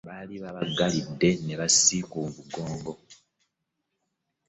Baali babagalidde n'embwasi ku migongo.